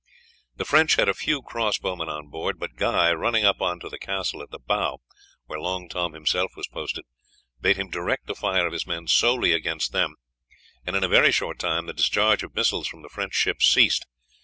The French had a few cross bowmen on board, but Guy, running up on to the castle at the bow, where Long Tom himself was posted, bade him direct the fire of his men solely against them, and in a very short time the discharge of missiles from the French ship ceased.